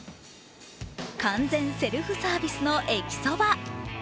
完全セルフサービスの駅そば。